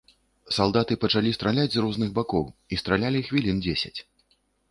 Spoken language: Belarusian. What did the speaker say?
Салдаты пачалі страляць з розных бакоў і стралялі хвілін дзесяць.